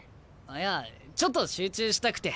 あいやちょっと集中したくて。